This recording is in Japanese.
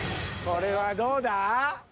これはどうだ？